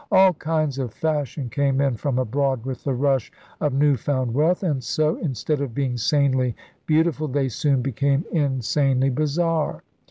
All kinds of fashions came in from abroad with the rush of new found wealth; and so, in stead of being sanely beautiful, they soon became insanely bizarre.